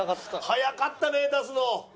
早かったね出すの。